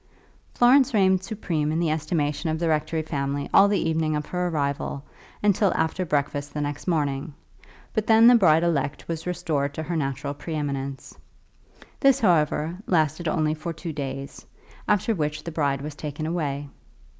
Florence reigned supreme in the estimation of the rectory family all the evening of her arrival and till after breakfast the next morning, but then the bride elect was restored to her natural pre eminence. This, however, lasted only for two days, after which the bride was taken away.